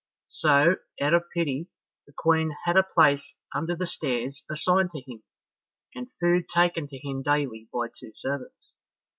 So, out of pity, the Queen had a place under the stairs assigned to him, and food taken to him daily by two servants.